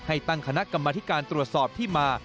ตั้งคณะกรรมธิการตรวจสอบที่มา